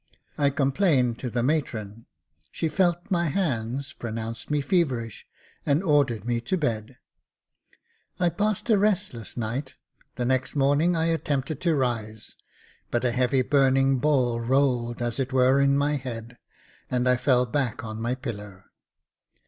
I complained to the matron ; she felt my hands, pronounced me feverish, and ordered me to bed. I passed a restless night ; the next morning I attempted to rise, but a heavy burning ball rolled as it were in my head, and I fell back on my pillow.